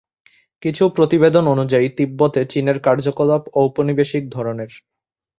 কিছু প্রতিবেদন অনুযায়ী তিব্বতে চীনের কার্যকলাপ ঔপনিবেশিক ধরণের।